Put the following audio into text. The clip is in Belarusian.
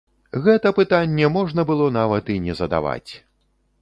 Гэта пытанне можна было нават і не задаваць!